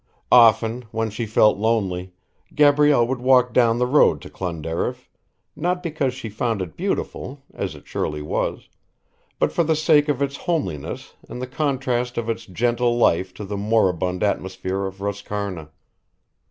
Often, when she felt lonely, Gabrielle would walk down the road to Clonderriff, not because she found it beautiful, as it surely was, but for the sake of its homeliness and the contrast of its gentle life to the moribund atmosphere of Roscarna.